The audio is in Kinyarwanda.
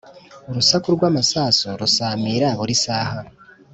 Urusaku rw'amasasu rusamira buri saha